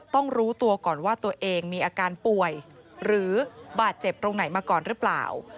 รู้ตัวก่อนว่าตัวเองมีอาการป่วยหรือบาดเจ็บตรงไหนมาก่อนหรือเปล่า